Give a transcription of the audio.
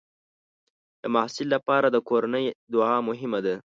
د محصل لپاره د کورنۍ دعا مهمه ده.